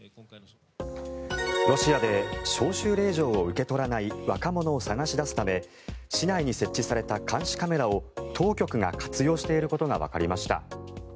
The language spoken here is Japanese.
ロシアで招集令状を受け取らない若者を捜し出すため市内に設置された監視カメラを当局が活用していることがわかりました。